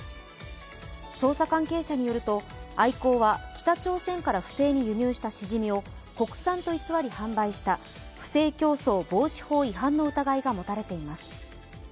捜査関係ものによると、アイコーは北朝鮮から不正に輸入したしじみを国産と偽り販売した不正競争防止法違反の疑いが持たれています。